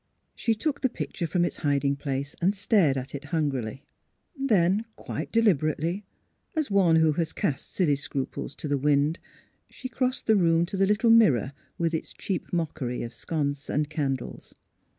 She took the picture from its hiding place, and stared at it hungrily. Then, quite deliberately, as one who has cast silly scruples to the wind, she crossed the room to the little mirror, with its cheap mockery of sconce and candles.